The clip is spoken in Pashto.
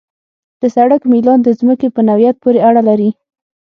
د سړک میلان د ځمکې په نوعیت پورې اړه لري